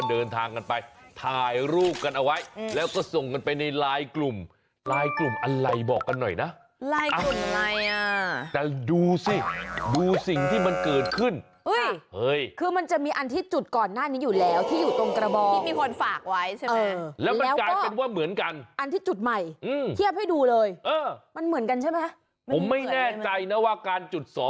เดินทางกันไปถ่ายรูปกันเอาไว้แล้วก็ส่งกันไปในไลน์กลุ่มปลายกลุ่มอะไรบอกกันหน่อยนะลายกลุ่มไงอ่ะแต่ดูสิดูสิ่งที่มันเกิดขึ้นคือมันจะมีอันที่จุดก่อนหน้านี้อยู่แล้วที่อยู่ตรงกระบองที่มีคนฝากไว้ใช่ไหมแล้วมันกลายเป็นว่าเหมือนกันอันที่จุดใหม่เทียบให้ดูเลยเออมันเหมือนกันใช่ไหมผมไม่แน่ใจนะว่าการจุดส